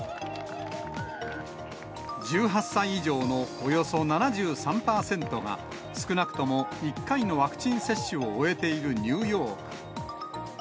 １８歳以上のおよそ７３％が、少なくとも１回のワクチン接種を終えているニューヨーク。